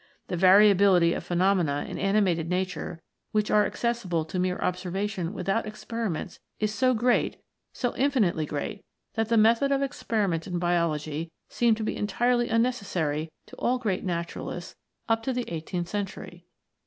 The variability of phenomena in animated Nature which are acces sible to mere observation without experiments is so great, so infinitely great, that the method of experiment in Biology seemed to be entirely unnecessary to all great naturalists up to the eighteenth century.